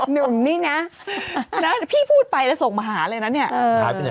หนุ่มนี่นะพี่พูดไปแล้วส่งมาหาเลยนะ